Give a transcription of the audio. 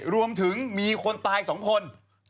รวมถึงมีคนตายสองคน